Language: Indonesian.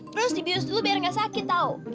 terus dibius dulu biar gak sakit tau